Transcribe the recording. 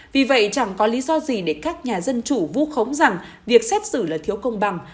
vì vậy chẳng có lý do gì để các nhà dân chủ vu khống rằng việc xét xử là thiếu công bằng